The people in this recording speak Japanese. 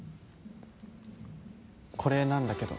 これなんだけど。